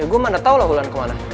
ya gue mana tau lah mulan kemana